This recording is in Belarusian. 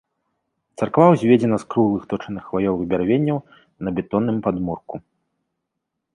Царква ўзведзена з круглых точаных хваёвых бярвенняў на бетонным падмурку.